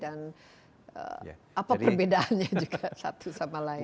dan apa perbedaannya juga satu sama lain